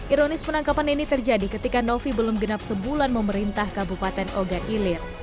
ironis penangkapan ini terjadi ketika novi belum genap sebulan memerintah kabupaten ogan ilir